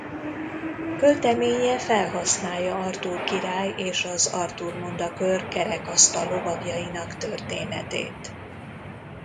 Költeménye felhasználja Artúr király és az Artúr-mondakör kerekasztal lovagjainak történetét.